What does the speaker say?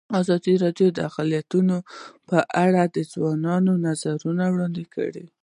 ازادي راډیو د اقلیتونه په اړه د ځوانانو نظریات وړاندې کړي.